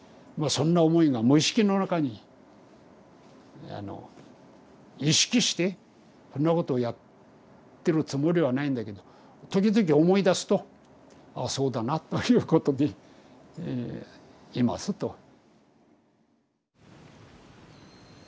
そんな思いが無意識の中に意識してそんなことをやってるつもりはないんだけど時々思い出すと「ああそうだな」ということでいますと。